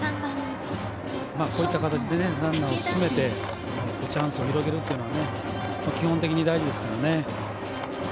こういった形でランナーを進めてチャンスを広げるというのは基本的に大事ですからね。